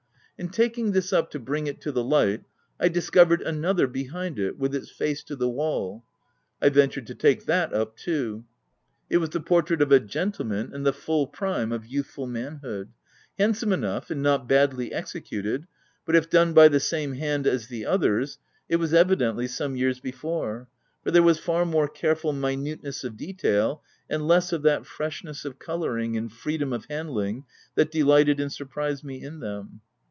In taking this up to bring it to the light, I discovered another behind it, with its face to the wall. I ventured to take that up too. It was the portrait of a gentleman in the full prime of youthful manhood — handsome enough, and not badly executed ; but, if done by the same hand as the others, it was evidently some years before ; for there was far more care ful minuteness of detail, and less of that fresh ness of colouring and freedom of handling, that delighted and surprised me in them.